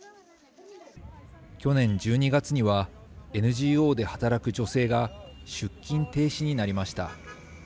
去年１２月には、ＮＧＯで働く女性が出勤停止になりました。